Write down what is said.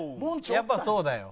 やっぱそうだよ。